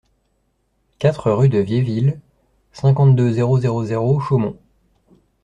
quatre rue de Viéville, cinquante-deux, zéro zéro zéro, Chaumont